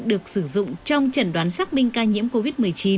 được sử dụng trong trần đoán xác minh ca nhiễm covid một mươi chín